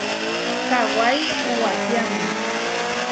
Kawái uwatiáme.